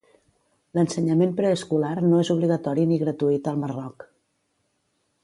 L'ensenyament preescolar no és obligatori ni gratuït al Marroc.